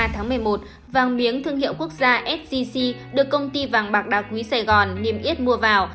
tháng một mươi ba một mươi một vàng miếng thương hiệu quốc gia sgc được công ty vàng bạc đặc quý sài gòn niêm yết mua vào